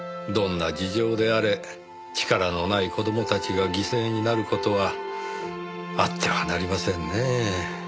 どんな事情であれ力のない子供たちが犠牲になる事はあってはなりませんねぇ。